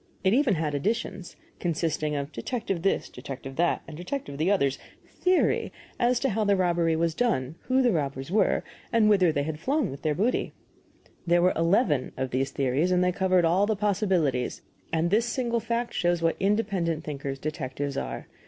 It even had additions consisting of Detective This, Detective That, and Detective The Other's "Theory" as to how the robbery was done, who the robbers were, and whither they had flown with their booty. There were eleven of these theories, and they covered all the possibilities; and this single fact shows what independent thinkers detectives are.